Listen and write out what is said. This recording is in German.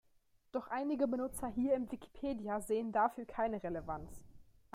Doch einige Benutzer hier im Wikipedia sehen dafür keine Relevanz.